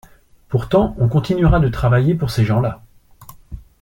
Pourtant on continuera de travailler pour ces gens-là.